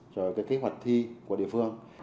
rồi cái kế hoạch thi của địa phương